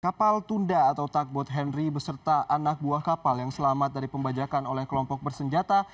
kapal tunda atau takbot henry beserta anak buah kapal yang selamat dari pembajakan oleh kelompok bersenjata